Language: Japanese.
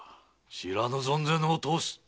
知らぬ存ぜぬを通す。